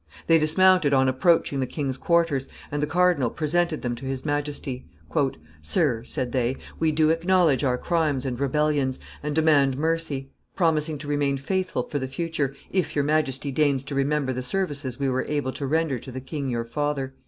They dismounted on approaching the king's quarters, and the cardinal presented them to his Majesty. "Sir," said they, "we do acknowledge our crimes and rebellions, and demand mercy; promising to remain faithful for the future, if your Majesty deigns to remember the services we were able to render to the king your father."